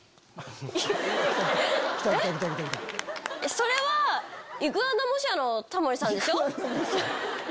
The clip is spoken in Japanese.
それはイグアナ模写のタモリさんでしょ？